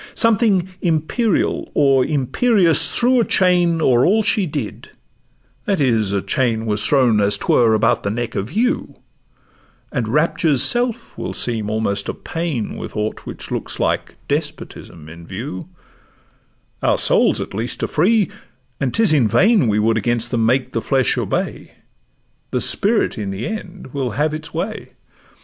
Something imperial, or imperious, threw A chain o'er all she did; that is, a chain Was thrown as 'twere about the neck of you,— And rapture's self will seem almost a pain With aught which looks like despotism in view: Our souls at least are free, and 'tis in vain We would against them make the flesh obey— The spirit in the end will have its way.